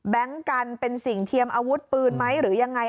กันเป็นสิ่งเทียมอาวุธปืนไหมหรือยังไง